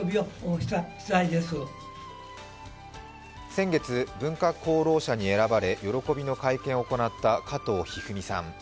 先月、文化功労者に選ばれ喜びの会見を行った加藤一二三さん。